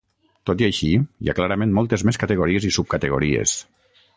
Tot i així, hi ha clarament moltes més categories i sub-categories.